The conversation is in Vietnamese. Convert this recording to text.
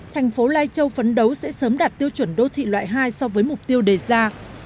thành phố lai châu phấn đấu sẽ sớm đạt tiêu chuẩn đô thị loại hai so với mục tiêu đề ra